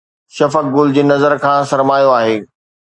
شفق گل جي نظر کان سرمايو آهي